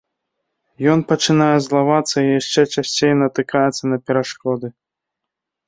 Ён пачынае злавацца і яшчэ часцей натыкаецца на перашкоды.